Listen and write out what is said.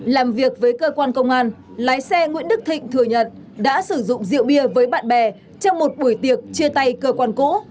làm việc với cơ quan công an lái xe nguyễn đức thịnh thừa nhận đã sử dụng rượu bia với bạn bè trong một buổi tiệc chia tay cơ quan cũ